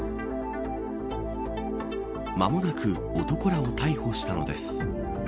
間もなく男らを逮捕したのです。